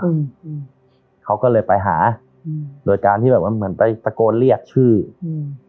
อืมเขาก็เลยไปหาอืมโดยการที่แบบว่าเหมือนไปตะโกนเรียกชื่ออืม